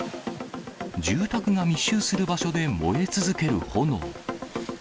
住宅が密集する場所で燃え続ける炎。